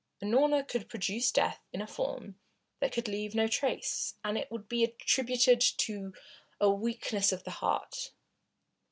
Unorna could produce death in a form which could leave no trace, and it would be attributed to a weakness of the heart.